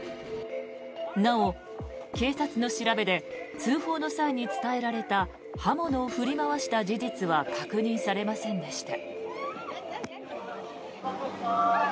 なお、警察の調べで通報の際に伝えられた刃物を振り回した事実は確認されませんでした。